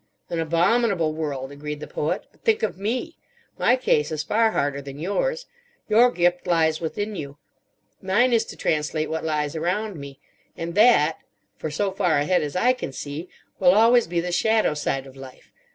"An abominable world," agreed the Poet. "But think of me! My case is far harder than yours. Your gift lies within you. Mine is to translate what lies around me; and that, for so far ahead as I can see, will always be the shadow side of life.